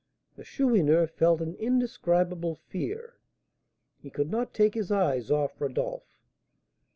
The Chourineur felt an indescribable fear; he could not take his eyes off Rodolph.